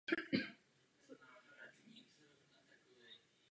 V tomto roce došlo k hloubení těžní jámy.